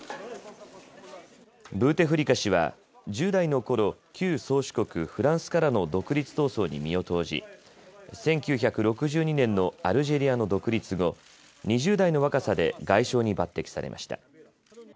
ブーテフリカ氏は１０代のころ旧宗主国、フランスからの独立闘争に身を投じ１９６２年のアルジェリアの独立後、２０代の若さで外相に抜てきされました。